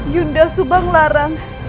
yunda subang lara